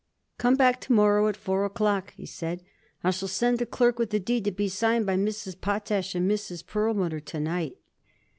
"Come back to morrow at four o'clock," he said. "I shall send a clerk with the deed to be signed by Mrs. Potash and Mrs. Perlmutter to night."